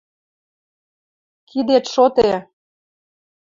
Кидет шоде —